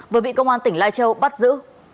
vừa bị công an tỉnh lai châu bắt giữ